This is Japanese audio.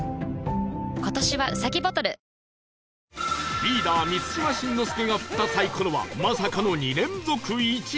リーダー満島真之介が振ったサイコロはまさかの２連続「１」